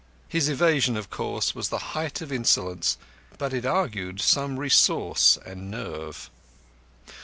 His evasion, of course, was the height of insolence, but it argued some resource and nerve.